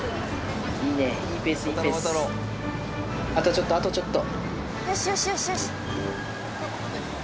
あとちょっとあとちょっと。